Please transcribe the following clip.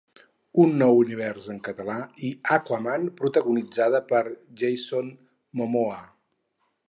Un nou univers en català i Aquaman protagonitzada per Jason Momoa.